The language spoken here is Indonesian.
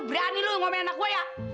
berani lu ngomong enak gue ya